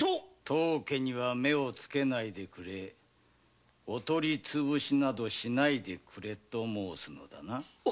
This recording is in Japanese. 当家には目をつけないでくれお取りつぶしなどしないでくれと申すのだな。